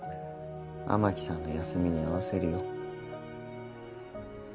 雨樹さんの休みに合わせるよ。